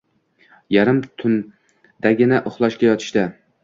Yarim tundagina uxlashga yotishdi